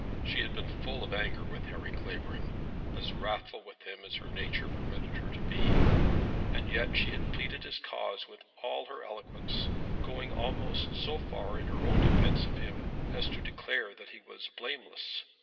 She had been full of anger with Harry Clavering, as wrathful with him as her nature permitted her to be; and yet she had pleaded his cause with all her eloquence, going almost so far in her defence of him as to declare that he was blameless.